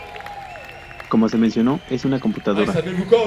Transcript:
Como se mencionó, es una computadora.